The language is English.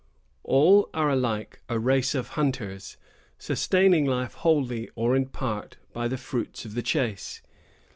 All are alike a race of hunters, sustaining life wholly, or in part, by the fruits of the chase.